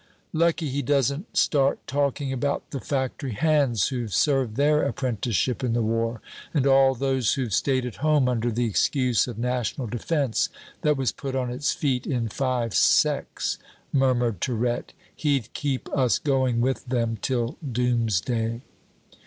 "Lucky he doesn't start talking about the factory hands who've served their apprenticeship in the war, and all those who've stayed at home under the excuse of National Defense, that was put on its feet in five secs!" murmured Tirette; "he'd keep us going with them till Doomsday."